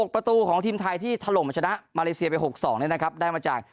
ประตูของทีมไทยที่ถล่มชนะมาเลเซียไป๖๒ได้มาจาก